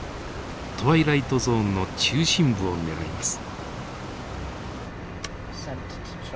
トワイライトゾーンの中心部を狙います。